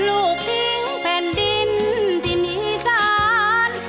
ลูกทิ้งแผ่นดินที่มีสาร